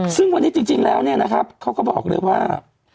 ซึ่งวันนี้จริงแล้วเนี่ยนะครับเขาก็บอกเลยว่า